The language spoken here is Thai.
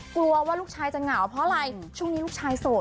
กลัวว่าลูกชายจะเหงาเพราะอะไรช่วงนี้ลูกชายโสด